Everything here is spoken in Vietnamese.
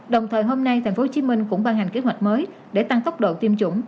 đồng thời hôm nay tp hcm cũng ban hành kế hoạch mới để tăng tốc độ tiêm chủng